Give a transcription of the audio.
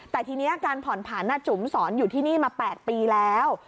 แต่ทีนี้การผ่อนผันจุ๋มสอนอยู่ที่นี่มา๘ปีแล้ว